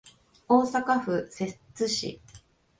大阪府摂津市